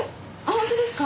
本当ですか？